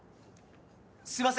すいません